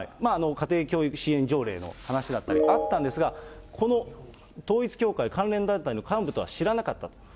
家庭教育支援条例の話だったりあったんですが、この統一教会関連団体の幹部とは知らなかったと。